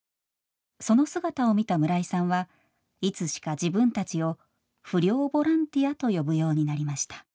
その姿を見た村井さんはいつしか自分たちを「不良ボランティア」と呼ぶようになりました。